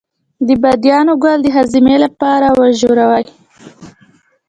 د بادیان ګل د هاضمې لپاره وژويئ